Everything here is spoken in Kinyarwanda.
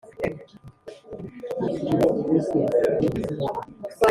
twajyanye mu mihigo yinkera